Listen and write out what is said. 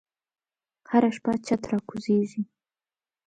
هره شپه چت راکوزیږې